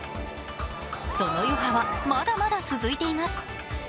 その余波はまだまだ続いています。